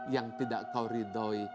yang tidak kau ridoi